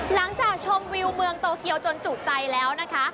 หลังจากชมวิวเมืองโตเกียวจนจุใจแล้วนะคะ